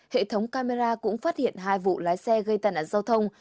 hệ thống camera cũng phát hiện hai vụ lái xe gây tàn nạn giao thông